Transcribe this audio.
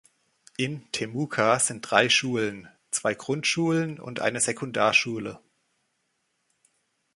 In Temuka sind drei Schulen, zwei Grundschulen und eine Sekundarschule.